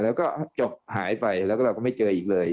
แล้วก็จบหายไปแล้วก็เราก็ไม่เจออีกเลย